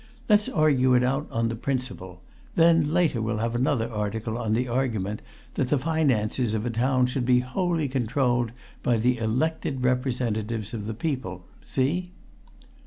Let's argue it out on the principle; then, later, we'll have another article on the argument that the finances of a town should be wholly controlled by the elected representatives of the people see?"